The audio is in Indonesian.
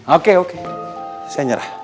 oke oke saya nyerah